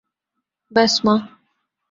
ব্যস, মা।